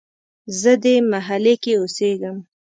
زه دې محلې کې اوسیږم